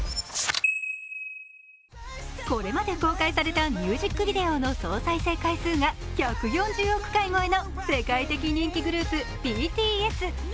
これまで公開されたミュージックビデオの総再生回数が１４０億回超えの世界的人気グループＢＴＳ。